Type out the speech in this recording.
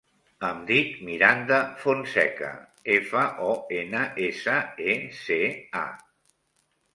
Em dic Miranda Fonseca: efa, o, ena, essa, e, ce, a.